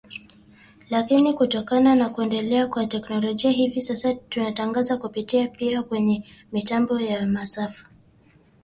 Lakini kutokana na kuendelea kwa teknolojia hivi sasa tunatangaza kupitia pia kwenye mitambo ya Masafa ya kati kupitia redio zetu kwa shirika za kanda ya Afrika Mashariki na Kati